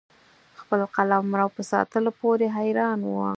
خپل قلمرو په ساتلو پوري حیران وو.